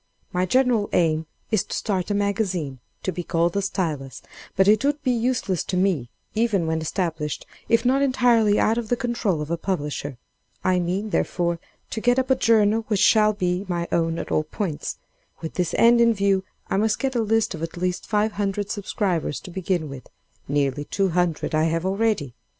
"My general aim is to start a Magazine, to be called 'The Stylus,' but it would be useless to me, even when established, if not entirely out of the control of a publisher. I mean, therefore, to get up a journal which shall be my own at all points. With this end in view, I must get a list of at least five hundred subscribers to begin with; nearly two hundred I have already.